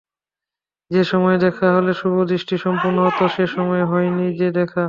যে-সময়ে দেখা হলে শুভদৃষ্টি সম্পূর্ণ হত সে-সময়ে হয় নি যে দেখা।